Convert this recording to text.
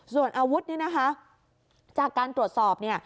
ส่วนอาวุธจากการตรวจสอบ